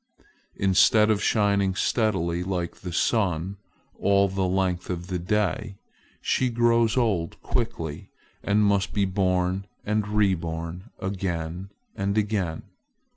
Instead of shining steadily like the sun, all the length of the day, she grows old quickly, and must be born and reborn, again and again.